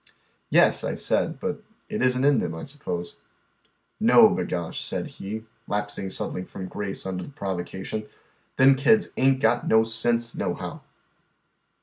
" Yes," I said, " but it isn't in them, I suppose." " No, Vgoah •" said he, lapsing suddenly from grace under the provocation, " them kida ain't got no sense, nohow